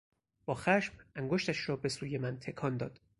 با خشم انگشتش را به سوی من تکان داد.